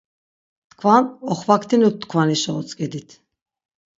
Tkvan oxvaktinutkvanişa otzǩedit.